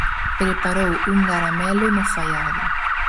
Preparou un garamelo no faiado.